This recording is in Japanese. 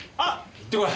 行ってこい！